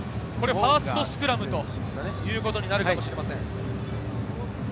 ファーストスクラムになるかもしれません。